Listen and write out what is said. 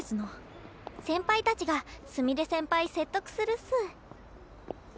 先輩たちがすみれ先輩説得するっす。